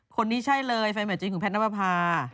คนนี้ใช่เลยแฟนใหม่จริงของแพทน๊าปภาร